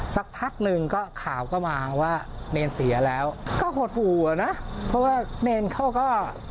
สักพักหนึ่งก็ข่าวก็มาว่าเนรเสียแล้วก็หดหูอ่ะนะเพราะว่าเนรเขาก็